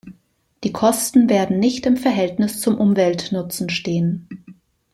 Die Kosten werden nicht im Verhältnis zum Umweltnutzen stehen.